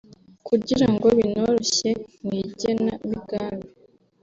kugira ngo binoroshye mu igenamigambi